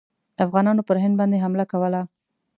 افغانانو پر هند باندي حمله کوله.